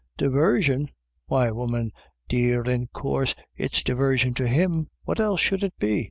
" Divarsion ? why, woman dear, in coorse it's divarsion to him ; what else should it be